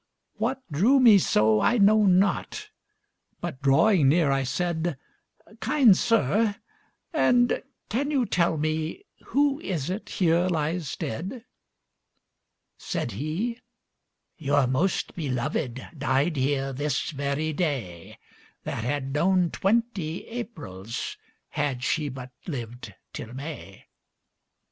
What drew me so I know not, But drawing near I said,"Kind sir, and can you tell meWho is it here lies dead?"Said he, "Your most belovèdDied here this very day, That had known twenty AprilsHad she but lived till May."